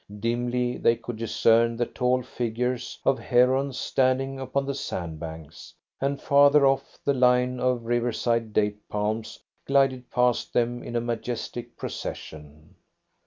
Dimly they could discern the tall figures of herons standing upon the sand banks, and farther off the line of riverside date palms glided past them in a majestic procession.